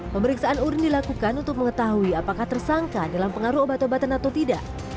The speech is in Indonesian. pemeriksaan urin dilakukan untuk mengetahui apakah tersangka dalam pengaruh obat obatan atau tidak